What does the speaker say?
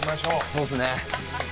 そうですね。